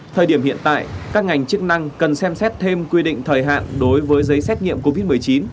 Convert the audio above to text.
thời điểm hiện tại các ngành chức năng cần xem xét thêm quy định thời hạn đối với giấy xét nghiệm covid một mươi chín